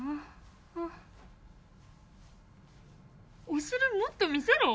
「お尻もっと見せろ」？